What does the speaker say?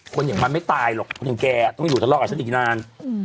อย่างมันไม่ตายหรอกคนอย่างแกต้องอยู่ทะเลาะกับฉันอีกนาน